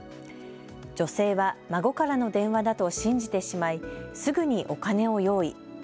女性は孫からの電話だと信じてしまい、すぐにお金を用意。